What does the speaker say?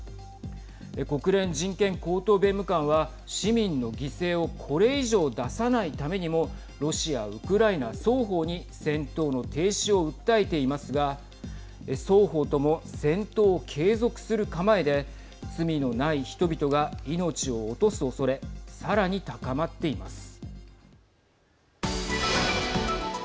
国連人権高等弁務官は市民の犠牲をこれ以上出さないためにもロシア、ウクライナ双方に戦闘の停止を訴えていますが双方とも戦闘を継続する構えで罪のない人々が命を落とす恐れさらに高まっています。